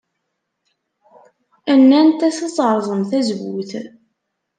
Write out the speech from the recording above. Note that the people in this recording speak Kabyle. Nnant-as ad terẓem tazewwut.